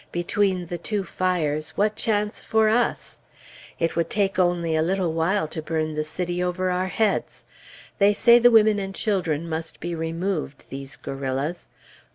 Between the two fires, what chance for us? It would take only a little while to burn the city over our heads. They say the women and children must be removed, these guerrillas.